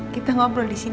kita ngobrol disini ya